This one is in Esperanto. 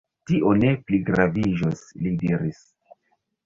Tio ne pligraviĝos, li diris.